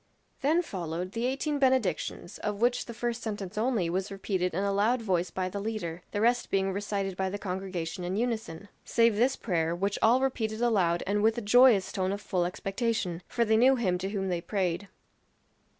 Then followed the eighteen benedictions, of which the first sentence only was repeated in a loud voice by the leader, the rest being recited by the congregation in unison. Save this prayer, which all repeated aloud and with a joyous tone of full expectation; for they knew him to whom they prayed.